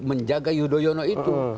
menjaga yudhoyono itu